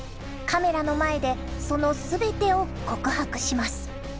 カメラの前でその全てを告白します。